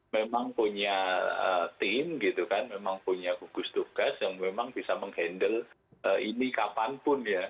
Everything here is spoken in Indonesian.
memang punya tim gitu kan memang punya gugus tugas yang memang bisa menghandle ini kapanpun ya